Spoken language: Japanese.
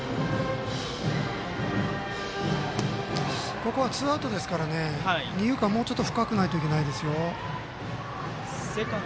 ここはツーアウトですから二遊間もうちょっと深くないといけないですよ。